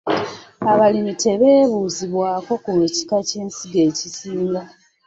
Abalimi tebeebuuzibwako ku kika ky'ensigo ekisinga.